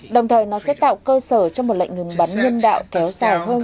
đồng thời nó sẽ tạo cơ sở cho một lệnh ngừng bắn nhân đạo kéo dài hơn